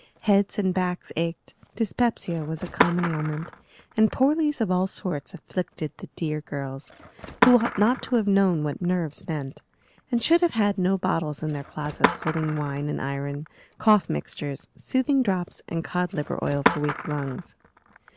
Heads and backs ached, dyspepsia was a common ailment, and poorlies of all sorts afflicted the dear girls, who ought not to have known what "nerves" meant, and should have had no bottles in their closets holding wine and iron, cough mixtures, soothing drops and cod liver oil for weak lungs.